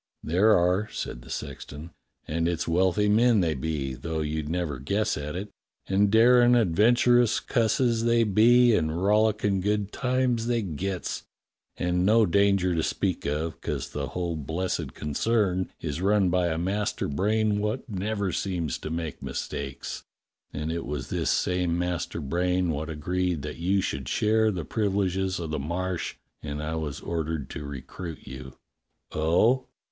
"There are," said the sexton; "and it's wealthy men they be, though you'd never guess at it, and darin', adventurous cusses they be, and rollickin' good times they gets, and no danger to speak of, 'cos the whole blessed concern is run by a master brain wot never A YOUNG RECRUIT 167 seems to make mistakes, and it was this same master brain wot agreed that you should share the privileges o' the Marsh, and I was ordered to recruit you." 0h!